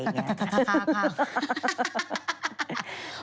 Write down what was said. ค่า